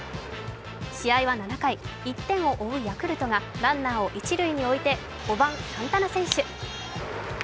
試合は７回、１点を追うヤクルトがランナーを一塁に置いて、５番・サンタナ選手。